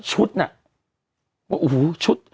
ชุดน่ะโอ้โหชุด